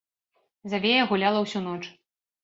Завея гуляла ўсю ноч.